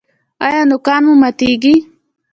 ایا نوکان مو ماتیږي؟